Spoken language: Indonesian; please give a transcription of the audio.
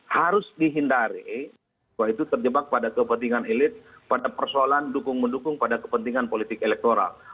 harus dihindari bahwa itu terjebak pada kepentingan elit pada persoalan dukung mendukung pada kepentingan politik elektoral